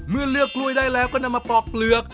เมื่อเลือกกล้วยได้แล้วก็นำมาปลอกเปลือก